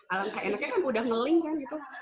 alangkah enaknya kan udah ngeling kan gitu